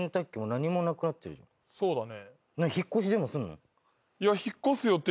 そうだね。